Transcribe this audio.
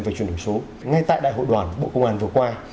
về chuyển đổi số ngay tại đại hội đoàn bộ công an vừa qua